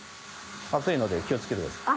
熱いので気を付けてください。